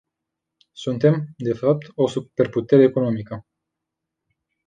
Suntem, de fapt, o superputere economică.